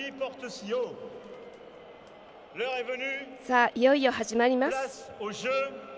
さあ、いよいよ始まります。